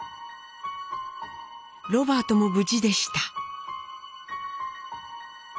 ロバートも無事でした。